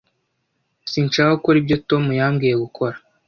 Sinshaka gukora ibyo Tom yambwiye gukora.